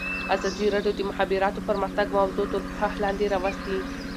ازادي راډیو د د مخابراتو پرمختګ موضوع تر پوښښ لاندې راوستې.